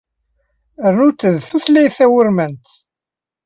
Rnu-tt d d tutlayt tawurmant.